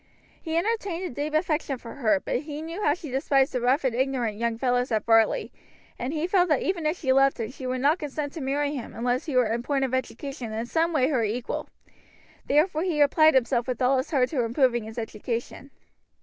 He entertained a deep affection for her, but he knew how she despised the rough and ignorant young fellows at Varley, and he felt that even if she loved him she would not consent to marry him unless he were in point of education in some way her equal; therefore he applied himself with all his heart to improving his education.